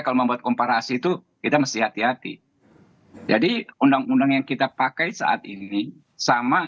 kalau membuat komparasi itu kita mesti hati hati jadi undang undang yang kita pakai saat ini sama